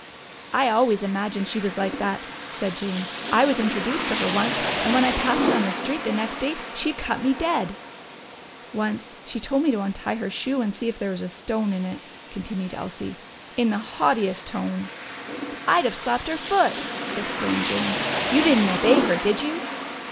"I always imagined she was like that," said Jane. "I was introduced to her once, and when I passed her on the street the next day she cut me dead." "Once she told me to untie her shoe and see if there was a stone in it," continued Elsie. "In the haughtiest tone!" "I'd have slapped her foot!" exclaimed Jane. "You didn't obey her, did you?"